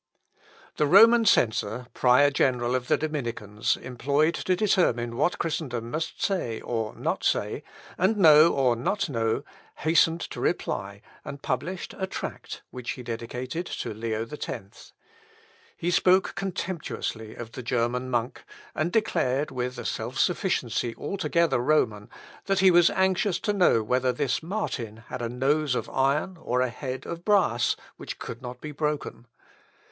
The Roman censor, prior general of the Dominicans, employed to determine what Christendom must say, or not say, and know or not know, hastened to reply, and published a tract, which he dedicated to Leo X. He spoke contemptuously of the German monk, and declared, with a self sufficiency altogether Roman, "that he was anxious to know whether this Martin had a nose of iron, or a head of brass, which could not be broken."